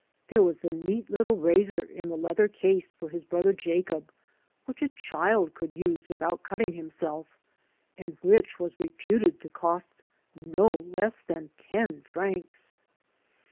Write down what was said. There was the neat little razor in the leather case for his brother Jacob which a child could use without cutting himself and which was reputed to cost no less than ten francs.